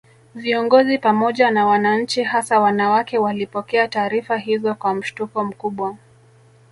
Viongozi pamoja na wananchi hasa wanawake walipokea taarifa hizo kwa mshtuko mkubwa